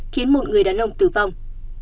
khiến một người đàn ông tử vong